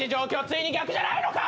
ついに逆じゃないのか！？